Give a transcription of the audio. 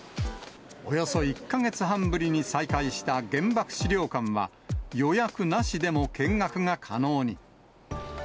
およそ１か月半ぶりに再開した原爆資料館は、予約なしでも見学が可能に。